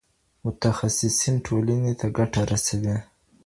متخصصین ټولنې ته ګټه رسوي.